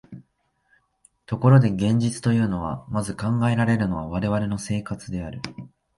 ところで現実というとき、まず考えられるのは我々の生活である。